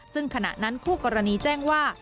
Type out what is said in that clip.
ซึ่งขณะนั้นคู่กรณีแจ้งว่า